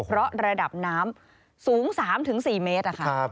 เพราะระดับน้ำสูง๓๔เมตรค่ะ